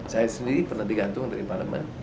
saya sendiri pernah digantung dari parlemen